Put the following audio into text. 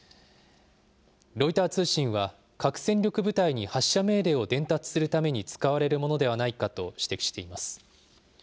ロイター通信は、核戦力部隊に発射命令を伝達するために使われるものではないかと指摘しています。